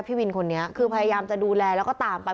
พี่วินคนนี้คือพยายามจะดูแลแล้วก็ตามไป